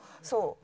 そう。